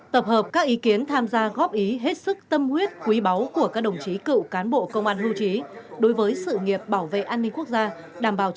tập hợp các ý kiến tham gia góp ý hết sức tâm huyết quý báu của các đồng chí cựu cán bộ công an hưu trí đối với sự nghiệp bảo vệ an ninh quốc gia